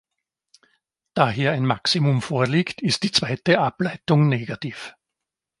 Da hier ein Maximum vorliegt, ist die zweite Ableitung negativ.